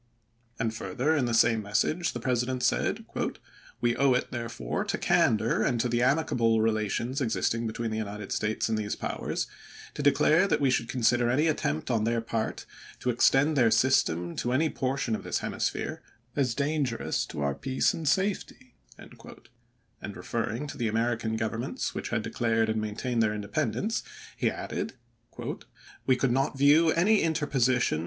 And further, in the same message, the President said :" We owe it, therefore, to candor and to the amicable relations existing between the United States and these powers, to de clare that we should consider any attempt on their part to extend their system to any portion of this hemisphere as dangerous to our peace and safety"; and referring to the American governments which had declared and maintained their independence, he added :" We could not view any interposition 406 ABRAHAM LINCOLN Ohap. XIV. George F. Tucker, "The Monroe Doctrine," p. 22. March 25, 1825. Dec.